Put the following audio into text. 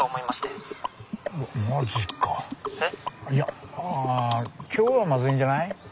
いや今日はまずいんじゃない？